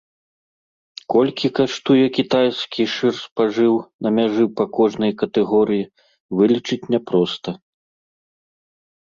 Колькі каштуе кітайскі шырспажыў на мяжы па кожнай катэгорыі, вылічыць няпроста.